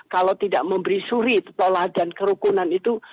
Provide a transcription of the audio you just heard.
kalau tidak memberi suri pola dan kerukunan itu